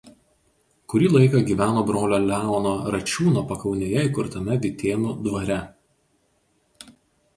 Kurį laiką gyveno brolio Leono Račiūno pakaunėje įkurtame Vytėnų dvare.